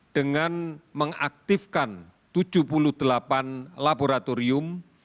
dengan mengaktifkan tujuh puluh delapan laboratorium